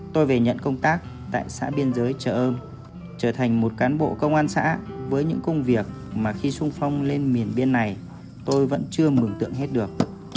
tôi về nhận công tác tại xã biên giới chợ âm trở thành một cán bộ công an xã với những công việc mà khi sung phong lên miền biên này tôi vẫn chưa mừng tượng hết được